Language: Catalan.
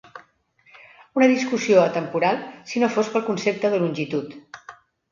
Una discussió atemporal, si no fos pel concepte de longitud.